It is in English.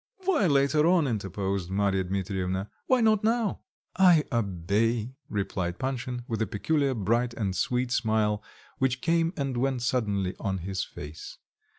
"Why later on?" interposed Marya Dmitrievna, "why not now?" "I obey," replied Panshin, with a peculiar bright and sweet smile, which came and went suddenly on his face.